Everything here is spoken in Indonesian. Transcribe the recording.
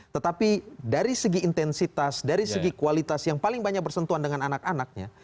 tetapi dari segi intensitas dari segi kualitas yang paling banyak bersentuhan dengan anak anaknya